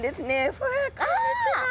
ふわこんにちは！